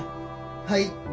はい。